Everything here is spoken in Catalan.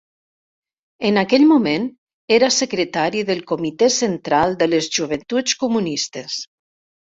En aquell moment era Secretari del comitè central de les joventuts comunistes.